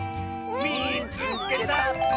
「みいつけた！」。